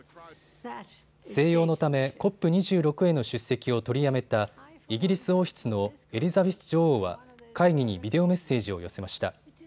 静養のためＣＯＰ２６への出席を取りやめたイギリス王室のエリザベス女王は会議にビデオメッセージを寄せました。